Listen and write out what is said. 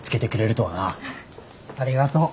ありがとう。